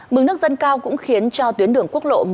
mực nước dân cao cũng khiến cho tuyến đường quốc lộ